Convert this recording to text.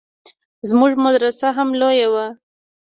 زموږ مدرسه هم لويه وه.